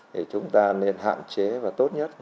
thì chúng ta nên hạn chế và tốt nhất